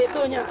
ini ookum ya